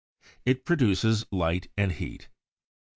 It produces light and heat.